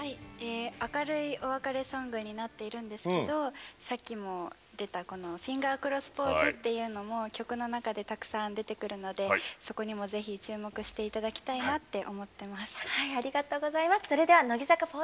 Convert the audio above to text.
明るいお別れソングになってるんですけどさっきも出たフィンガークロスポーズっていうのも曲の中でたくさん出てくるのでそこにもぜひ注目していただきたいなと思います。